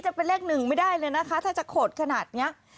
จะเป็นเลขหนึ่งไม่ได้เลยนะคะถ้าจะโขดขนาดนี้